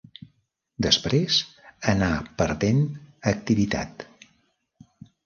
Després anà perdent activitat.